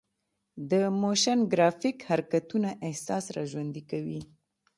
د موشن ګرافیک حرکتونه احساس راژوندي کوي.